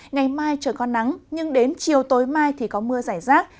ngày mai trời còn nắng nhưng đến chiều tối mai thì có mưa rải rác